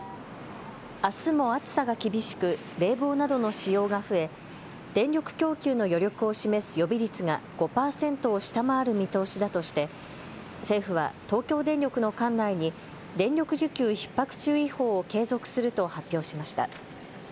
あすも暑さが厳しく冷房などの使用が増え電力供給の余力を示す予備率が５％を下回る見通しだとして、政府は東京電力の管内に電力需給ひっ迫注意報を継続すると発表しました。